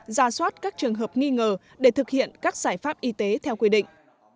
ra soát các trường hợp nghi ngờ để thực hiện các giải pháp y tế theo quy định